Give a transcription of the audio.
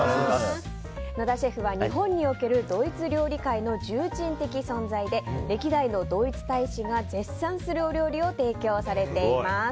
野田シェフは日本におけるドイツ料理界の重鎮的存在で歴代のドイツ大使が絶賛するお料理を提供されています。